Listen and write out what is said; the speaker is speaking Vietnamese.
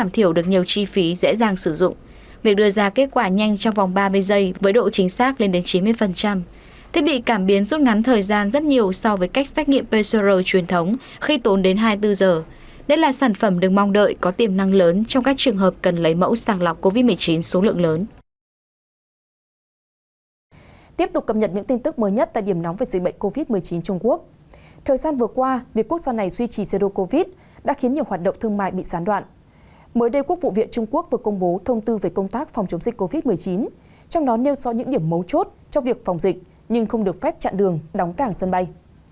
trong đó nêu so những điểm mấu chốt cho việc phòng dịch nhưng không được phép chặn đường đóng cảng sân bay